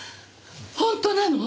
本当なの！？